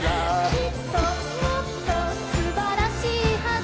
「きっともっと素晴らしいはず」